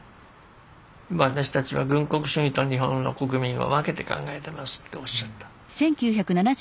「私たちは軍国主義と日本の国民は分けて考えてます」っておっしゃったの。